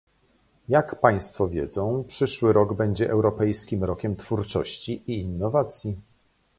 Jak państwo wiedzą, przyszły rok będzie Europejskim Rokiem Twórczości i Innowacji